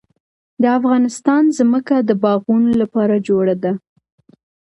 د افغانستان ځمکه د باغونو لپاره جوړه ده.